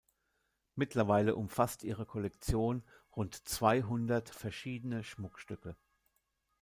Mittlerweile umfasst ihre Kollektion rund zweihundert verschiedene Schmuckstücke.